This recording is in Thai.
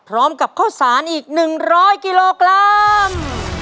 พร้อมกับข้าวสารอีกหนึ่งร้อยกิโลกรัม